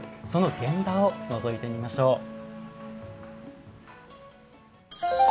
その現場をのぞいてみましょう。